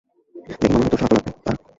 দেখে মনে হয় তোর সাহায্য লাগবে তার?